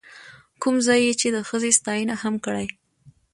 کوم ځاى يې چې د ښځې ستاينه هم کړې،،